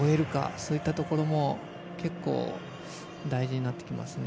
そういったところも結構、大事になってきますね。